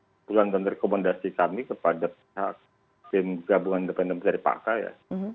kesimpulan dan rekomendasi kami kepada tim gabungan independen dari pak aka ya